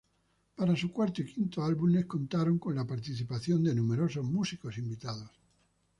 Para su cuarto y quinto álbumes contaron con la participación de numerosos músicos invitados.